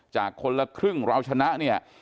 จากคนละครึ่งราวชนะเนี่ย